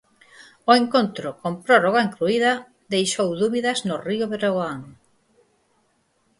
O encontro, con prórroga incluída, deixou dúbidas no Río Breogán.